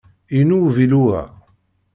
Inu uvilu-a.